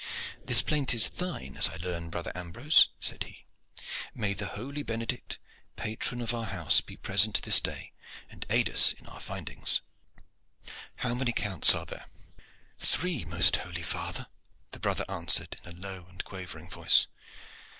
"This plaint is thine, as I learn, brother Ambrose," said he. "May the holy Benedict, patron of our house, be present this day and aid us in our findings! How many counts are there?" "Three, most holy father," the brother answered in a low and quavering voice.